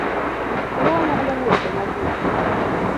Koro wanyalo wuok e nyamburko.